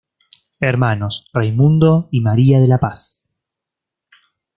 Hermanos: Raimundo y María de la Paz.